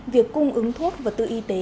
việc cung ứng thuốc và tự y tế